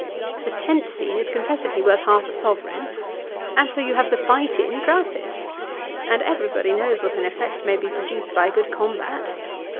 The tent scene is confessedly worth half a sovereign, and so you have the fight in, gratis, and everybody knows what an effect may be produced by a good combat.